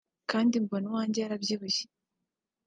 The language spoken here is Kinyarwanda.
kandi mbona uwanjye yarabyibushye